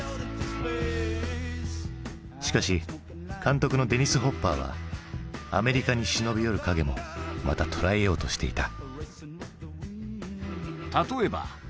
しかし監督のデニス・ホッパーはアメリカに忍び寄る影もまた捉えようとしていた。